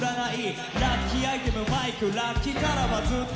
「ラッキーアイテムマイク」「ラッキーカラーはずっと黒らしい」